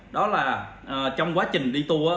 đó là trong quá trình đi tour